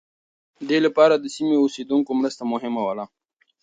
دې لپاره د سیمو اوسېدونکو مرسته مهمه ده.